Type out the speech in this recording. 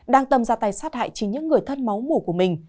đang tầm ra tay sát hại chỉ những người thân máu mù của mình